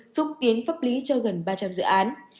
xúc tiến pháp lý cho gần ba trăm linh dự án